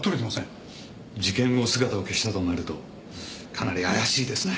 事件後姿を消したとなるとかなり怪しいですね。